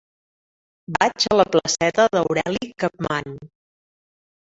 Vaig a la placeta d'Aureli Capmany.